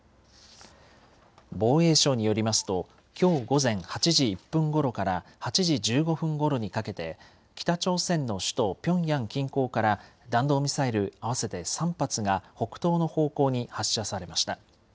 防衛省によりますと、きょう午前８時１分ごろから８時１５分ごろにかけて、北朝鮮の首都ピョンヤン近郊から、弾道ミサイル合わせて３発が、北東の方向に発射されました。